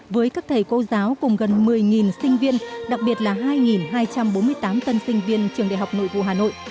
với các thầy cô giáo cùng gần một mươi sinh viên đặc biệt là hai hai trăm bốn mươi tám tân sinh viên trường đại học nội vụ hà nội